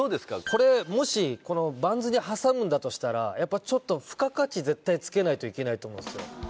これもしこのバンズに挟むんだとしたらやっぱちょっと付加価値絶対つけないといけないと思うんすよ